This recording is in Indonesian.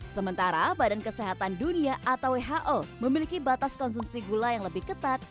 sementara badan kesehatan dunia atau who memiliki batas konsumsi gula yang lebih ketat